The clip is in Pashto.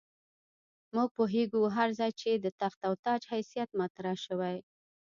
موږ پوهېږو هر ځای چې د تخت او تاج حیثیت مطرح شوی.